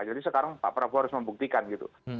jadi sekarang pak prabowo harus membuktikan gitu